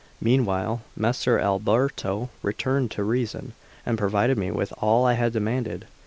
VIII MEANWHILE Messer Alberto returned to reason, and provided me with all I had demanded.